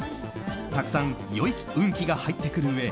たくさん良い運気が入ってくるうえ